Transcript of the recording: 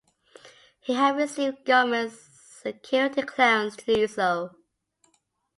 He had received government security clearance to do so.